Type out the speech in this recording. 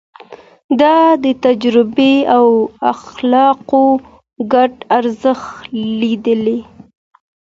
ده د تجربې او اخلاقو ګډ ارزښت ليده.